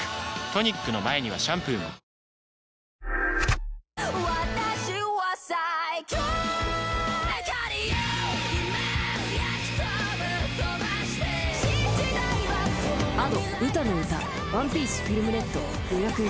トニックの前にはシャンプーもあ！